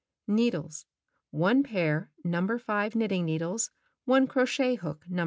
Needles: one pair No. 5 knitting needles, one crochet hook No.